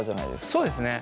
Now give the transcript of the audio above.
そうですね。